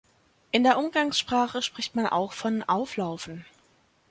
In der Umgangssprache spricht man auch von "Auflaufen".